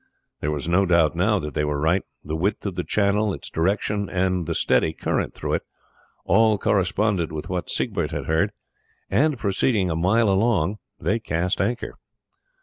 There was no doubt now that they were right. The width of the channel, its direction, and the steady current through it, all corresponded with what Siegbert had heard, and proceeding a mile along it they cast anchor.